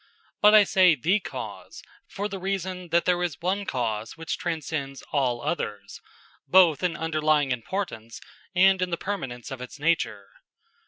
But I say the cause, for the reason that there is one cause which transcends all others, both in underlying importance and in the permanence of its nature.